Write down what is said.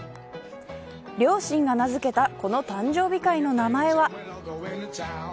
両親が名付けたこの誕生日会の名前は。